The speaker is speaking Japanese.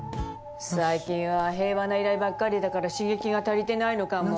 最近は平和な依頼ばっかりだから刺激が足りてないのかも。